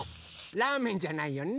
ラーメンじゃないよね！